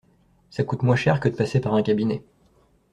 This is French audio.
Ça coûte moins cher que de passer par un cabinet.